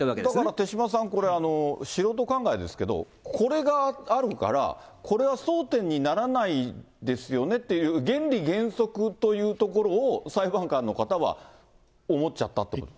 だから手嶋さん、これ、素人考えですけれども、これがあるから、これは争点にならないですよねっていう原理原則というところを、裁判官の方は思っちゃったと。